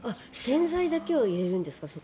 洗剤だけをそこに入れるんですか？